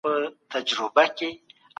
د لويي جرګې تاریخي بنسټ څوک ایږدي دی؟